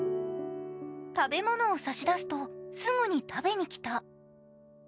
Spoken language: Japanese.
食べ物を差し出すと、すぐに食べに来た。